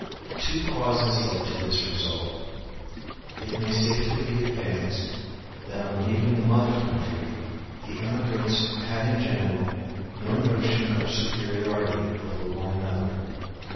Two causes led to this result. It may safely be advanced, that on leaving the mother country the emigrants had in general no notion of superiority over one another.